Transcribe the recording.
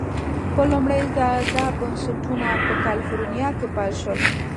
په لومړي ځل دا بنسټونه په کلفورنیا کې پیل شول.